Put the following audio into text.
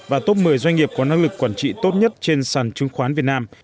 và top một mươi doanh nghiệp có năng lực quản trị tốt nhất trên sàn chứng khoán việt nam